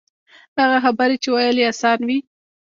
هغه خبرې چې ویل یې آسان وي.